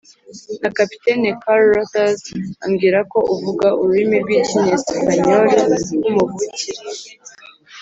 "na kapiteni carruthers ambwira ko uvuga ururimi rw'icyesipanyoli nk'umuvukire.